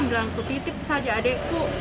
bilang aku titip saja adekku